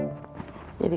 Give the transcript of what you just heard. aku udah keras